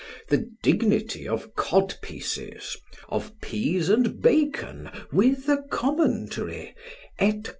the Dignity of Codpieces, of Pease and Bacon with a Commentary, &c.